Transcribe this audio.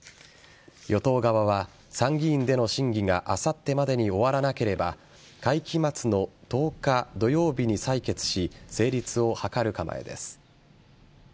与党側は参議院での審議が明後日までに終わらなければ会期末の１０日土曜日に採決し成立を図る構えです。